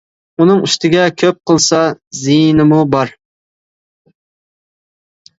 ئۇنىڭ ئۈستىگە كۆپ قىلسا زىيىنىمۇ بار.